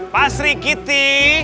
pak sri kiti